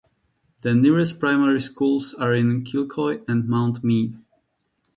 The nearest primary schools are in Kilcoy and Mount Mee.